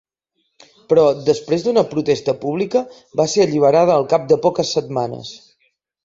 Però, després d'una protesta pública, va ser alliberada al cap de poques setmanes.